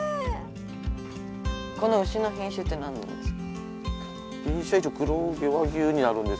この牛の品種って何なんですか？